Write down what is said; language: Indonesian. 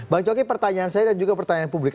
bang coki pertanyaan saya dan juga pertanyaan publik